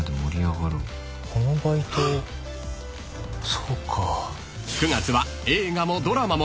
「そうか」